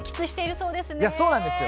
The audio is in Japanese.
そうなんですよ。